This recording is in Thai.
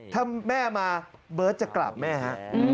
ถ้าแม่มาเบิร์ตจะกราบแม่ฮะ